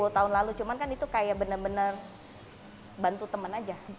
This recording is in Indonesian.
sepuluh tahun lalu cuman kan itu kayak bener bener bantu teman aja